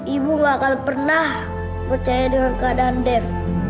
ibu gak akan pernah percaya dengan keadaan dev